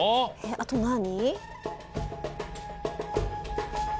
あと何？